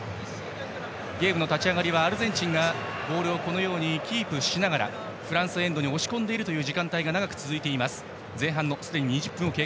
ゲームの立ち上がりはアルゼンチンがボールをキープしながらフランスエンドに押し込んでいる時間が長く続いています。